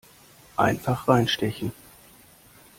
Einfach reinstechen!